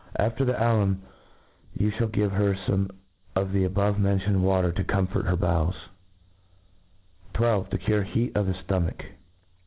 After the alum j you Ihall give her ibme of the above mentioued Ivatcr to comfort herbowek^ lii To cUre Heat of the Stomach.